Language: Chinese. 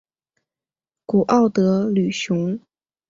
古奥德吕雄。